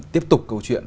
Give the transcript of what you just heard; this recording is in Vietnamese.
tiếp tục câu chuyện